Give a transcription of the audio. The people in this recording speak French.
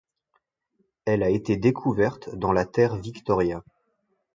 Elle a été découverte dans la terre Victoria.